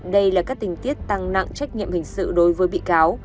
đây là các tình tiết tăng nặng trách nhiệm hình sự đối với bị cáo